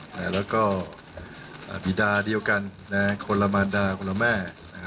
แล้วก็บีดาเดียวกันคนละมานดาคนละแม่